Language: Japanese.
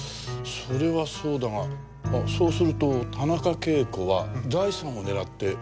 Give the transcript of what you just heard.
それはそうだがそうすると田中啓子は財産を狙って夫を殺したと？